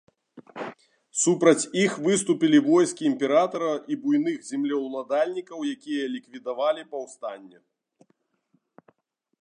Супраць іх выступілі войскі імператара і буйных землеўладальнікаў, якія ліквідавалі паўстанне.